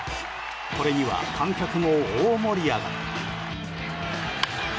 これには観客も大盛り上がり。